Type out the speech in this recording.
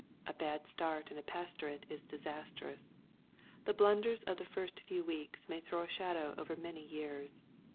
A bad start in a pastorate is disastrous. The blunders of the first few weeks may throw a shadow over many years.